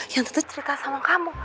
yang tentu cerita sama kamu